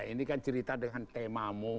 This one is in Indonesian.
ini kan cerita dengan temamu